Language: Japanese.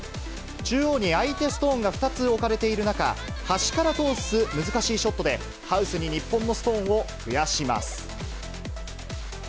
中央に相手ストーンが２つ置かれている中、端から通す難しいショットで、ハウスに日本のストーンを増やします。